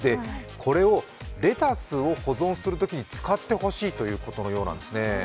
これをレタスを保存するときに使ってほしいということのようなんですね。